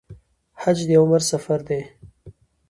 حج د عمر سفر دی